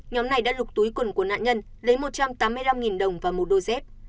nhóm này đã lục túi quần của nạn nhân lấy một trăm tám mươi năm đồng và một đôi dép